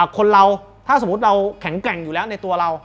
คนเราถ้าสมมุติเราแข็งแกร่งอยู่แล้วในตัวเรา